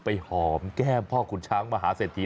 ไปหอมแก้พ่อคุณช้างมหาเสที